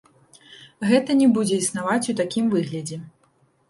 Гэта не будзе існаваць у такім выглядзе.